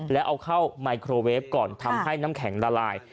แล้วเอาเข้าไมโครเวฟก่อนทำให้น้ำแข็งละลาย